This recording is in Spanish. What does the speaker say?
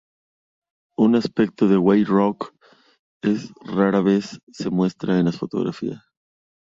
Un aspecto de Wave Rock es que rara vez se muestra en las fotografías.